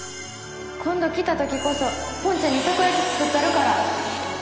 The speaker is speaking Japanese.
こんど来た時こそぽんちゃんにたこやき作ったるから！